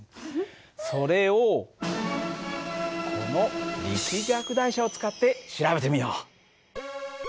それをこの力学台車を使って調べてみよう。